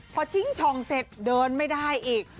พอชิงช่องเสร็จเดินไม่ได้อีก